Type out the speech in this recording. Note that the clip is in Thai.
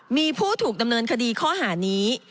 มีผู้ถูกดำเนินคดีข้อหานี้